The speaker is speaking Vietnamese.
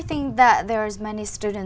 trong đất nước đặc biệt